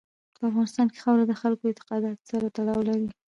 په افغانستان کې خاوره د خلکو اعتقاداتو سره تړاو لري.